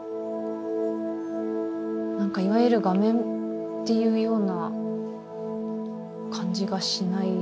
何かいわゆる画面っていうような感じがしない。